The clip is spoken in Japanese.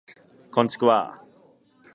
こんちくわ